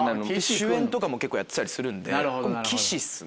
主演とかも結構やってたりするんで岸っすね。